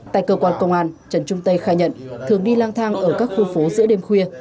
tại cơ quan công an trần trung tây khai nhận thường đi lang thang ở các khu phố giữa đêm khuya